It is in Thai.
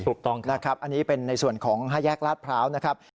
ถูกต้องครับอันนี้เป็นในส่วนของไฮแยกลาดพร้าว